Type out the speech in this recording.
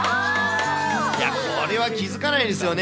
いや、これは気付かないですよね。